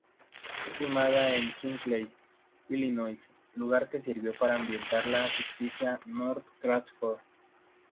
Fue filmada en Hinckley, Illinois, lugar que sirvió para ambientar la ficticia "North Crawford".